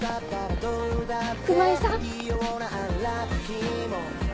熊井さん？